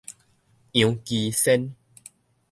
楊基先